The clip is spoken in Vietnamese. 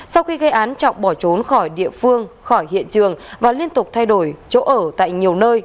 sau khi gây án trọng bỏ trốn khỏi địa phương khỏi hiện trường và liên tục thay đổi chỗ ở tại nhiều nơi